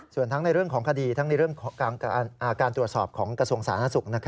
ส่วนทั้งในเรื่องของคดีทั้งในเรื่องการตรวจสอบของกระทรวงสาธารณสุข